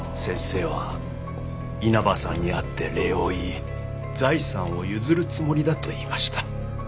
先生は稲葉さんに会って礼を言い財産を譲るつもりだと言いました。